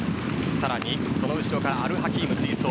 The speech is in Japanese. さらにその後ろからアルハキーム、追走。